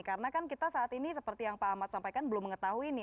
karena kan kita saat ini seperti yang pak ahmad sampaikan belum mengetahui nih